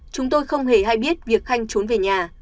chúng tôi không hề hay biết việc khanh trốn về nhà